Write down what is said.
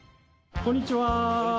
こんにちは。